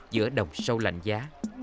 giữa đồng sâu lạnh giá